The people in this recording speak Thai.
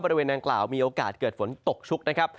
บริเวณดังกล่าวมีโอกาสเกิดฝนตกชุกนะครับ